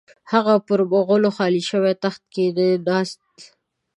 هغه پر مغولو خالي شوي تخت کښې نه ناست.